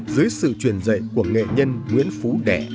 dưới sự truyền dạy của nghệ nhân nguyễn phú đẻ